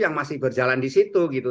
yang masih berjalan di situ gitu